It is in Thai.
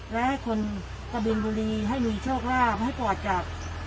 และให้คนกะบินบุรีให้มีโชคลาภให้ปลอดจาก